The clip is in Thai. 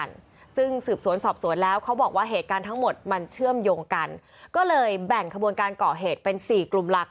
อันนั้นเป็นระเบิดเพลิงแสวงเครื่องเหมือนกัน